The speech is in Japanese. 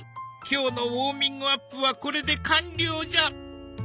今日のウォーミングアップはこれで完了じゃ！